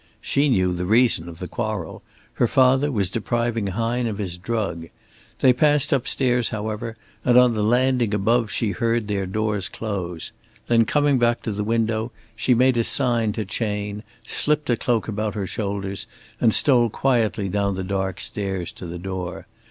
She knew the reason of the quarrel. Her father was depriving Hine of his drug. They passed up stairs, however, and on the landing above she heard their doors close. Then coming back to the window she made a sign to Chayne, slipped a cloak about her shoulders and stole quietly down the dark stairs to the door.